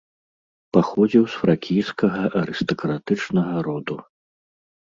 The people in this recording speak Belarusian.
Паходзіў з фракійскага арыстакратычнага роду.